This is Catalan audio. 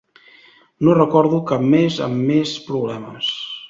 No recordo cap més amb més problemes.